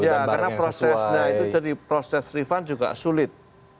iya karena prosesnya itu jadi proses refund juga sulit